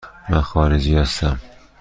من خارجی هستم.